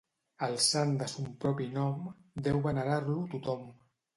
Al sant de son propi nom deu venerar-lo tothom.